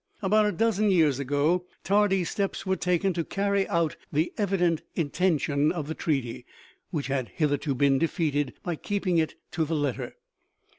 About a dozen years ago tardy steps were taken to carry out the evident intention of the treaty, which had hitherto been defeated by keeping it to the letter.